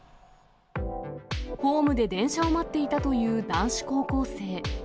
ホームで電車を待っていたという男子高校生。